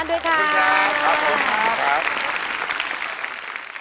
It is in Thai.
ขอบคุณครับ